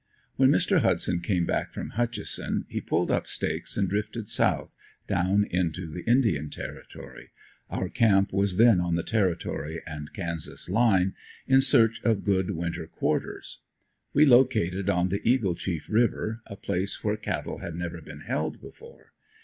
When Mr. Hudson came back from Hutchison he pulled up stakes and drifted south down into the Indian territory our camp was then on the territory and Kansas line in search of good winter quarters. We located on the "Eagle Chief" river, a place where cattle had never been held before.